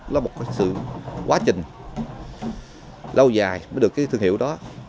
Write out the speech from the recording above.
nó một cái sự quá trình lâu dài mới được cái thương hiệu đó